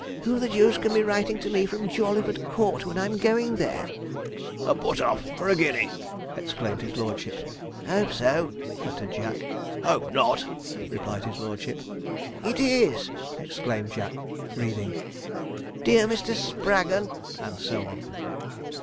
'Who the deuce can be writing to me from Jawleyford Court when I'm going there?' 'A put off, for a guinea!' exclaimed his lordship. 'Hope so,' muttered Jack. 'Hope not,' replied his lordship. 'It is!' exclaimed Jack, reading, 'Dear Mr. Spraggon,' and so on.